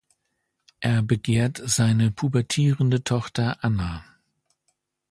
Er begehrt seine pubertierende Tochter Anna.